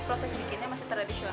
proses bikinnya masih tradisional